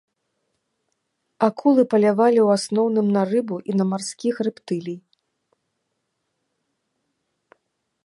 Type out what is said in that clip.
Акулы палявалі ў асноўным на рыбу і на марскіх рэптылій.